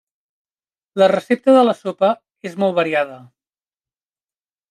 La recepta de la sopa és molt variada.